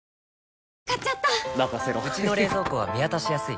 うちの冷蔵庫は見渡しやすい